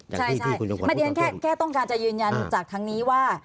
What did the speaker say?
ใช่ไม่ได้แค่ต้องการจะยืนยันจากทางนี้ว่า